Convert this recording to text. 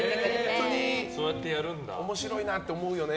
本当に面白いなって思うよね